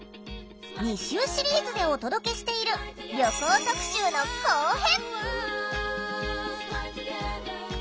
２週シリーズでお届けしている旅行特集の後編！